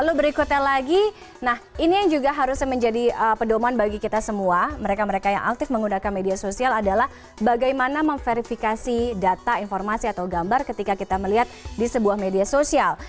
lalu berikutnya lagi nah ini yang juga harusnya menjadi pedoman bagi kita semua mereka mereka yang aktif menggunakan media sosial adalah bagaimana memverifikasi data informasi atau gambar ketika kita melihat di sebuah media sosial